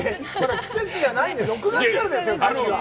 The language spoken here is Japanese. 季節じゃないですよ、６月からですよ、牡蠣は。